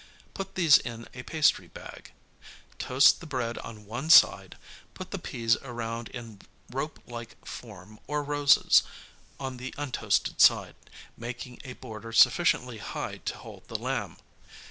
Put these in a pastry bag. Toast the bread on one side, put the peas around in rope like form, or roses, on the untoasted side, making a border sufficiently high to hold the lamb.